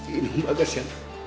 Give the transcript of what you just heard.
ini bagas ya